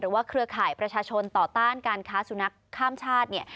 หรือว่าเครือข่ายประชาชนต่อต้านการค้าสู้นักข้ามชาติ